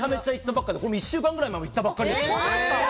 １週間ぐらい前に行ったばかりです。